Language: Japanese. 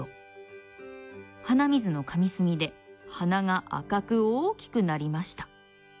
鼻水のかみすぎで鼻が赤く大きくなりました。